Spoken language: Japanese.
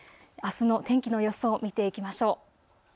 あすの天気の予想、見ていきましょう。